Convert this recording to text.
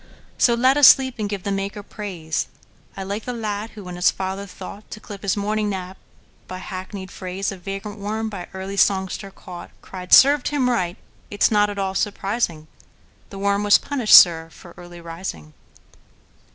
So let us sleep, and give the Maker praise.I like the lad who, when his father thoughtTo clip his morning nap by hackneyed phraseOf vagrant worm by early songster caught, Cried, "Served him right!—it 's not at all surprising; The worm was punished, sir, for early rising!"